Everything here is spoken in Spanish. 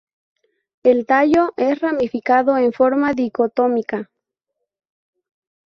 El tallo es ramificado en forma dicotómica.